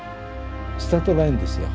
スタートラインですよ。